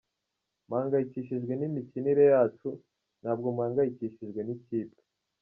Mpangayicyishijwe n'imikinire yacu, ntabwo mpangayicyishijwe n'ikipe.